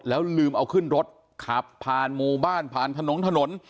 แล้วลืมเอาขึ้นรถขับผ่านหมู่บ้านผ่านถนนถนน